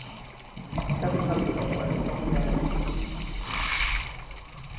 Chân thành trọn vẹn trong ngàn yêu thương.